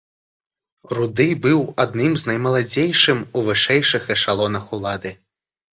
Руды быў адным з наймаладзейшым у вышэйшых эшалонах улады.